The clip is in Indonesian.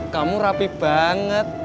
kamu rapi banget